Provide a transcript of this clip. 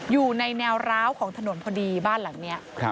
อยู่ในแนวร้าวของถนนพอดีบ้านหลังนี้